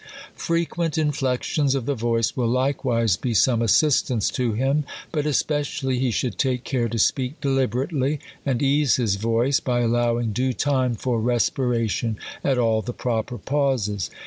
Frequent inflections of the voice will likewise be some assistance to him. But especially he should take care to speak deliberately, and ease his vaice, by allowing due time for respira tion at all the proper pauses.